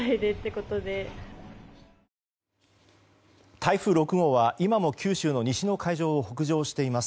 台風６号は今も九州の西の海上を北上しています。